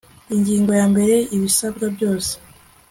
ingingo yambere ibisabwa byose